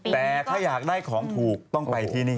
แต่ถ้าอยากได้ของถูกต้องไปที่นี่